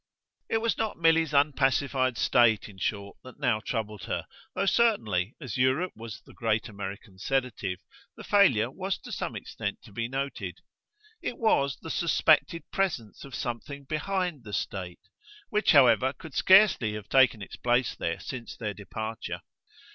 It was not Milly's unpacified state, in short, that now troubled her though certainly, as Europe was the great American sedative, the failure was to some extent to be noted: it was the suspected presence of something behind the state which, however, could scarcely have taken its place there since their departure.